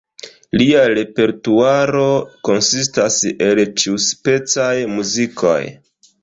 Lia repertuaro konsistas el ĉiuspecaj muzikoj.